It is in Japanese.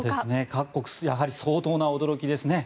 各国やはり相当な驚きですね。